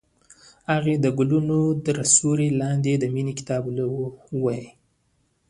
هغې د ګلونه تر سیوري لاندې د مینې کتاب ولوست.